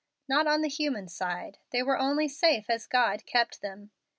Not on the human side. They were safe only as God kept them.